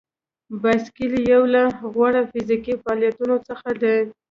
بایسکل یو له غوره فزیکي فعالیتونو څخه دی.